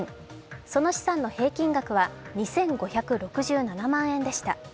その資産の平均額は２５６７万円でした。